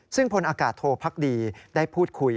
ซึ่งพลอากาศโทพักดีได้พูดคุย